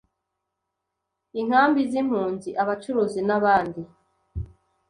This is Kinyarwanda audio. inkambi z’impunzi, abacuruzi n’abandi.